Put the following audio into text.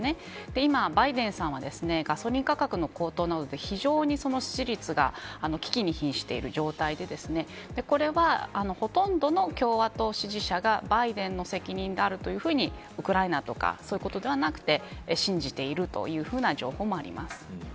今、バイデンさんはガソリン価格の高騰などで非常に支持率が危機に瀕している状態でこれはほとんどの共和党支持者がバイデンの責任であるというふうにウクライとかそういうことではなくて信じているというような情報もあります。